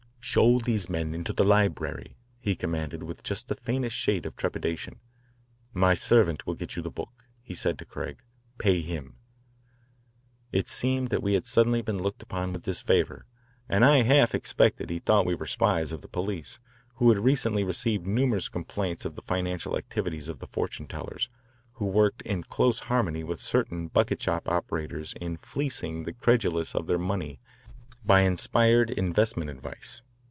"Show these men into the library," he commanded with just the faintest shade of trepidation. "My servant will give you the book," he said to Craig. "Pay him." It seemed that we had suddenly been looked upon with disfavour, and I half suspected he thought we were spies of the police, who had recently received numerous complaints of the financial activities of the fortune tellers, who worked in close harmony with certain bucket shop operators in fleecing the credulous of their money by inspired investment advice.